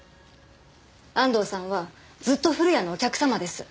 安藤さんはずっと古谷のお客様です。